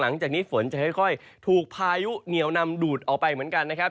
หลังจากนี้ฝนจะค่อยถูกพายุเหนียวนำดูดออกไปเหมือนกันนะครับ